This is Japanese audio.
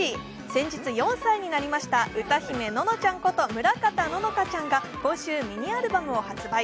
先日、４歳になりました歌姫・ののちゃんこと村方乃々佳ちゃんが、今週ミニアルバムを発売。